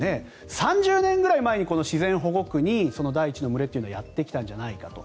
３０年ぐらい前に自然保護区に第１の群れっていうのはやってきたんじゃないかと。